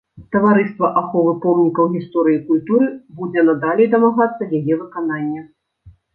Таварыства аховы помнікаў гісторыі і культуры будзе надалей дамагацца яе выканання.